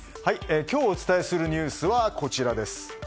今日、お伝えするニュースはこちら。